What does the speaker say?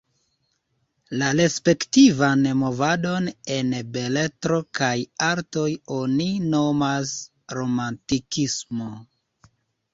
La respektivan movadon en beletro kaj artoj oni nomas romantikismo.